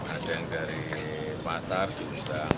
ada yang dari pasar diundang pkr diundang semua